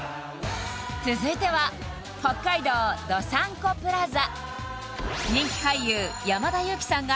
続いては北海道どさんこプラザ